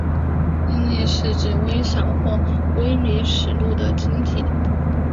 晶粒是指微小的或微米尺度的晶体。